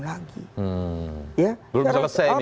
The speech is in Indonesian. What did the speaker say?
lagi belum selesai ini